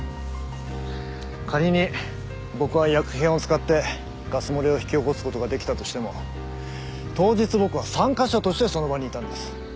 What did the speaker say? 仮に僕が薬品を使ってガス漏れを引き起こす事ができたとしても当日僕は参加者としてその場にいたんです。